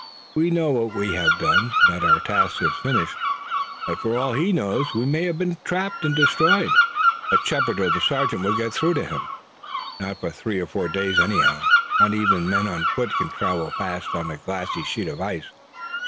We know what we have done, that our task is finished, but for all he knows we may have been trapped and destroyed." "But Shepard or the sergeant will get through to him." "Not for three or four days anyhow. Not even men on foot can travel fast on a glassy sheet of ice.